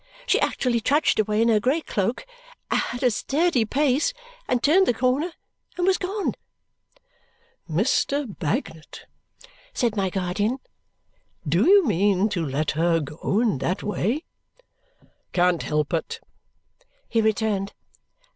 She actually trudged away in her grey cloak at a sturdy pace, and turned the corner, and was gone. "Mr. Bagnet," said my guardian. "Do you mean to let her go in that way?" "Can't help it," he returned.